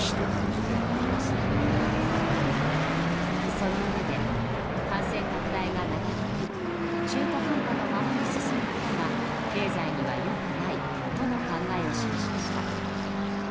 そのうえで、感染拡大が長引き中途半端のままに進むことが経済には良くないとの考えを示しました。